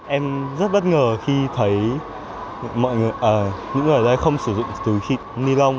em rất bất ngờ khi thấy những người ở đây không sử dụng túi ni lông